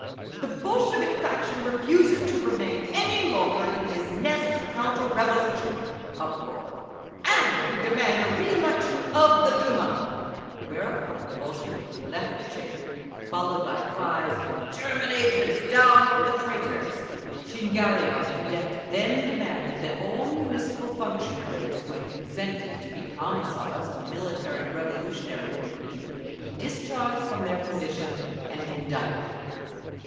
"The Bolshevik faction refuses to remain any longer in this nest of counter revolution—" Uproar. "—and we demand a re election of the Duma…." Whereupon the Bolsheviki left the chamber, followed by cries of "German agents! Down with the traitors!" Shingariov, Cadet, then demanded that all Municipal functionaries who had consented to be Commissars of the Military Revolutionary Committee be discharged from their position and indicted.